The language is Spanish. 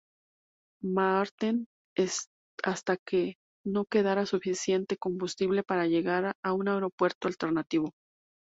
Maarten hasta que no quedara suficiente combustible para llegar a un aeropuerto alternativo.